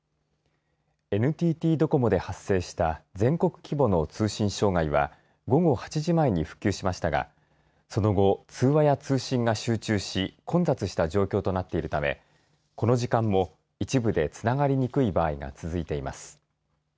ＮＴＴドコモで発生した全国規模の通信障害は午後８時前に復旧しましたがその後、通話や通信が集中し混雑した状況となっているためこの時間も一部でつながりにくい場合が続いています。